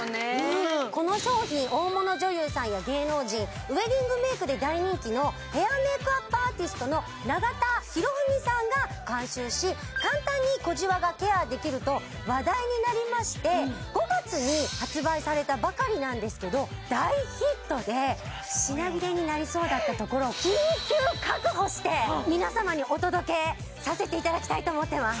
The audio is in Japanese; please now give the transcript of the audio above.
この商品大物女優さんや芸能人ウエディングメイクで大人気のヘアメイクアップアーティストの長田博文さんが監修し簡単に小じわがケアできると話題になりまして５月に発売されたばかりなんですけど大ヒットで品切れになりそうだったところを緊急確保して皆様にお届けさせていただきたいと思ってます